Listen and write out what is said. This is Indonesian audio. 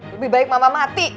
lebih baik mama mati